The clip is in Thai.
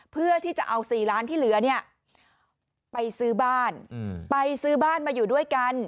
เพื่อที่จะเอา๔ล้านที่เหลือเนี่ยไปซื้อบ้านไปซื้อบ้านมาอยู่ด้วยกัน